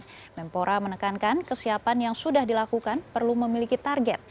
kemenpora menekankan kesiapan yang sudah dilakukan perlu memiliki target